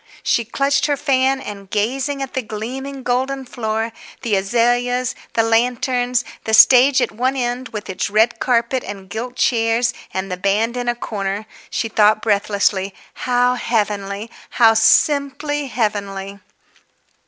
She clutched her fan, and, gazing at the gleaming, golden floor, the azaleas, the lanterns, the stage at one end with its red carpet and gilt chairs and the band in a corner, she thought breathlessly, "How heavenly; how simply heavenly!"